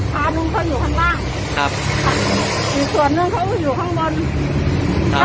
พาลุงเขาอยู่ข้างล่างครับอีกส่วนนึงเขาก็อยู่ข้างบนครับ